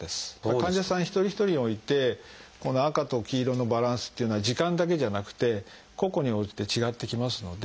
患者さん一人一人においてこの赤と黄色のバランスっていうのは時間だけじゃなくて個々に応じて違ってきますので。